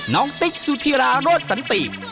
ติ๊กสุธิราโรธสันติ